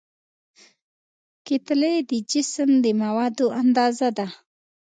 کتلې د جسم د موادو اندازه ده.